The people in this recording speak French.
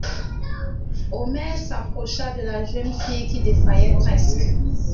Omer s'approcha de la jeune fille qui défaillait presque.